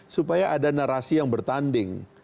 supaya ada narasi yang bertanding